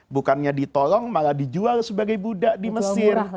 bukannya ditolong malah dijual sebagai buddha di mesir